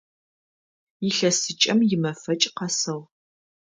Илъэсыкӏэм имэфэкӏ къэсыгъ.